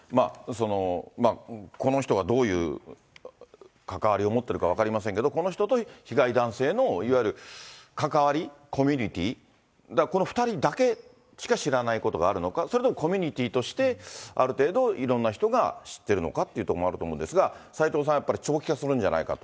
この人がどういう関わりを持っているか分かりませんけど、この人と被害男性のいわゆる関わり、コミュニティ、この２人だけしか知らないことがあるのか、それともコミュニティとしてある程度、いろんな人が知ってるのかというところがあると思うんですが、齊藤さん、やっぱり、長期化するんじゃないかと。